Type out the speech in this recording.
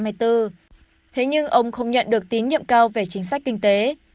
thế nhưng ông không nhận được tín nhiệm cao về chính sách kinh tế